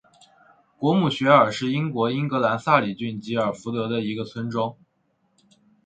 果姆雪尔是英国英格兰萨里郡吉尔福德的一个村庄。